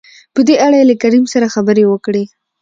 په دې اړه يې له کريم سره خبرې وکړې.